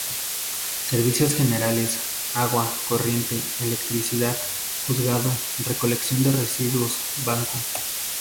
Servicios generales: agua corriente, electricidad, juzgado, recolección de residuos, banco.